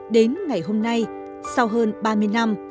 đến ngày hôm nay sau hơn ba mươi năm